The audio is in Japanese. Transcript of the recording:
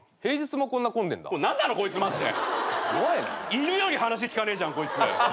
犬より話聞かねえじゃんこいつ。